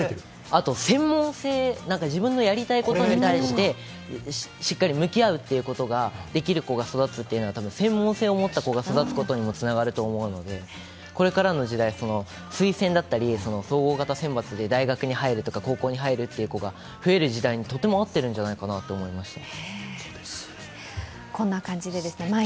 あと専門性、自分のやりたいことに対してしっかり向き合うことができる子が育つというのは専門性を持った子が育つことにもつながると思うのでこれからの時代、推薦だったり総合型選抜で大学に入るとか、高校に入るって子が増える時代にとても合っているんじゃないかなと思いました。